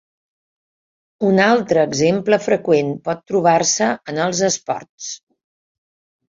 Un altre exemple freqüent pot trobar-se en els esports.